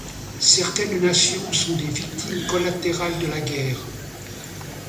Certaines nations sont des victimes collatérales de la guerre.